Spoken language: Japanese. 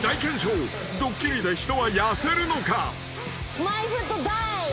ドッキリで人は痩せるのか？］